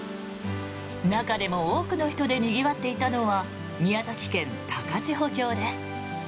中でも多くの人でにぎわっていたのは宮崎県・高千穂峡です。